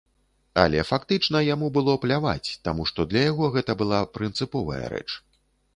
Але фактычна яму было пляваць, таму што для яго гэта была прынцыповая рэч.